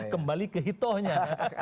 kembali ke hitohnya